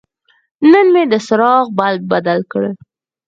نن مې د څراغ بلب بدل کړ.